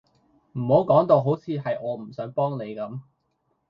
唔好講到好似係我唔想幫你咁